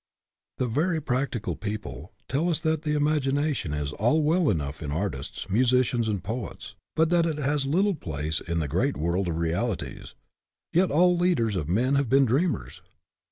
The very practical people tell us that the imagination is all well enough in artists, musicians, and poets, but that it has little place in the great world of realities. Yet all leaders of men have been dreamers.